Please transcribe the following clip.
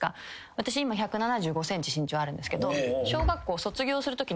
私今１７５ｃｍ身長あるんですけど。